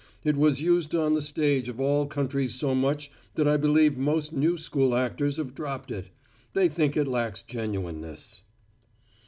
It was used on the stage of all countries so much that I believe most new school actors have dropped it. They think it lacks genuineness."